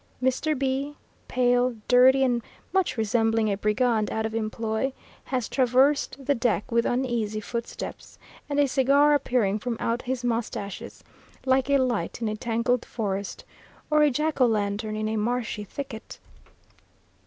M. B , pale, dirty, and much resembling a brigand out of employ, has traversed the deck with uneasy footsteps and a cigar appearing from out his moustaches, like a light in a tangled forest, or a jack o' lantern in a marshy thicket.